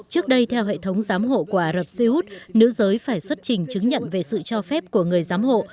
trước đây theo hệ thống giám hộ của ả rập xê út nữ giới phải xuất trình chứng nhận về sự cho phép của người giám hộ